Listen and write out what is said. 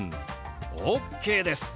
ＯＫです！